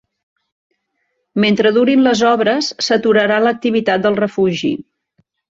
Mentre durin les obres s’aturarà l’activitat del refugi.